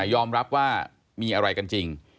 ยอมรับว่ามีอะไรกันจริง